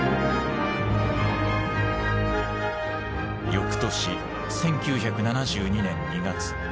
翌年１９７２年２月。